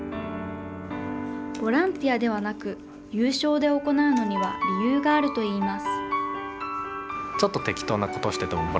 ボランティアではなく、有償で行うのには理由があるといいます。